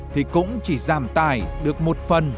thì cũng chỉ giảm tài được một phần